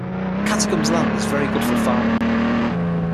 Katagum's land is very good for farming.